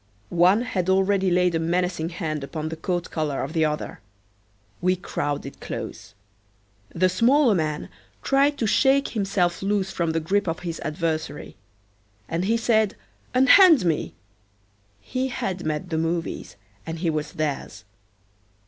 One had already laid a menacing hand upon the coat collar of the other. We crowded close. The smaller man tried to shake himself loose from the grip of his adversary. And he said, "Unhand me." He had met the movies and he was theirs.